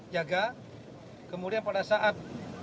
jaga kemudian pada saat